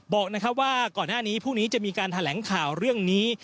บอกนะครับว่าก่อนหน้านี้พรุ่งนี้จะมีการแถลงข่าวเรื่องนี้